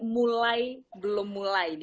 mulai belum mulai